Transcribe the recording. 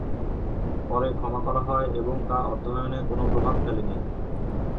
পরে ক্ষমা করা হয় এবং তা অধ্যয়নে কোন প্রভাব ফেলেনি।